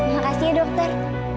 makasih ya dokter